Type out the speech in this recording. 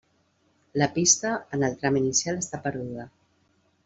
La pista, en el tram inicial està perduda.